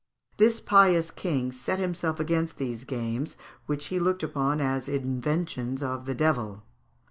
This pious king set himself against these games, which he looked upon as inventions of the devil.